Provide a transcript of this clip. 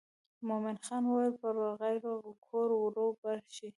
مومن خان وویل پر غیر کوو ور به شو.